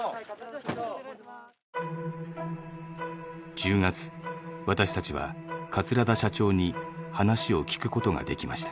１０月私たちは桂田社長に話を聞くことができました。